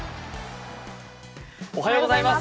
おはようございます。